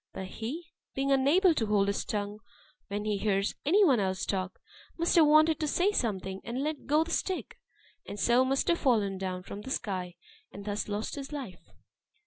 But he, being unable to hold his tongue when he hears any one else talk, must have wanted to say something, and let go the stick; and so must have fallen down from the sky, and thus lost his life."